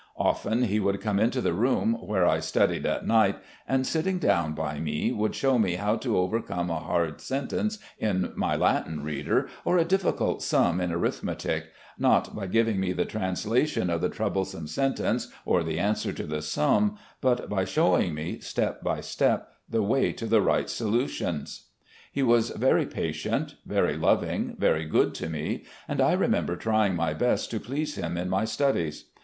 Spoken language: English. Often he would come into the room where I studied at night, and, sitting down by me, would show me how to overcome a hard sentence in my Latin reader or a difficult sum in arithmetic, not by giving me the translation of the troublesome sentence or the answer to the sum, but by showing me, step by step, the way to the right solutions. He was very patient, very loving, very good to me, and I remember tr5n[ng my best to please him in my studies.